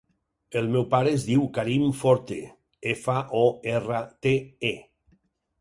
El meu pare es diu Karim Forte: efa, o, erra, te, e.